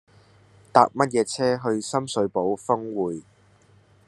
搭乜嘢車去深水埗丰滙